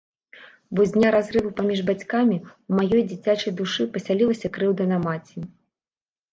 Бо з дня разрыву паміж бацькамі ў маёй дзіцячай душы пасялілася крыўда на маці.